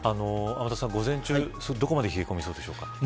天達さん、午前中どこまで冷え込みそうでしょうか。